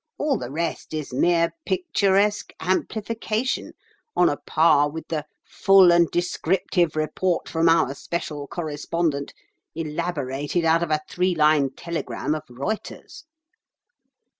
All the rest is mere picturesque amplification, on a par with the 'Full and descriptive report from our Special Correspondent,' elaborated out of a three line telegram of Reuter's."